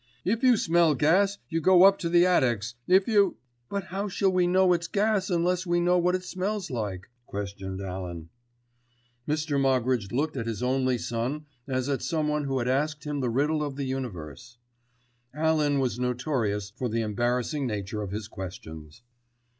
"If you smell gas you go up to the attics: if you——" "But how shall we know it's gas unless we know what it smells like?" questioned Alan. Mr. Moggridge looked at his only son as at someone who had asked him the riddle of the universe. Alan was notorious for the embarrassing nature of his questions.